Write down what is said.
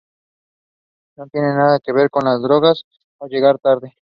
No tiene nada que ver con las "drogas" o "llegar tarde".